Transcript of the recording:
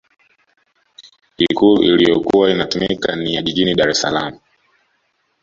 ikulu iliyokuwa inatumika ni ya jijini dar es salaam